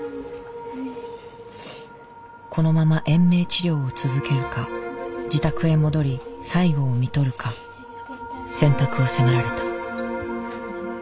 このまま延命治療を続けるか自宅へ戻り最期をみとるか選択を迫られた。